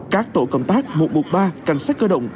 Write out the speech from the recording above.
các tổ công tác một trăm một mươi ba cảnh sát cơ động